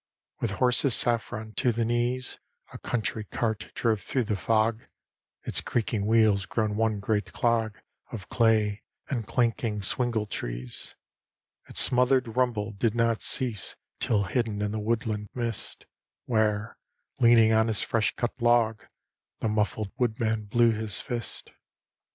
With horses saffron to the knees A country cart drove through the fog; Its creaking wheels grown one great clog Of clay, and clanking swingletrees: Its smothered rumble did not cease Till hidden in the woodland mist, Where, leaning on his fresh cut log, The muffled woodman blew his fist.